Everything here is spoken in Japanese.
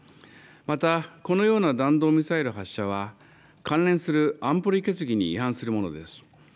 また、このような弾道ミサイル発射は関連する安保理決議に違反するものです。